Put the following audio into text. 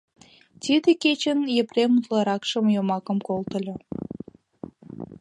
Тиде кечын Епрем утларакшым йомакым колтыльо.